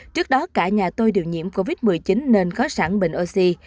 trước đó cả nhà tôi đều nhiễm covid một mươi chín nên có sẵn bình oxy